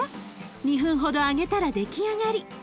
２分ほど揚げたら出来上がり。